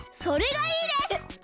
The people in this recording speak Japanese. それがいいです！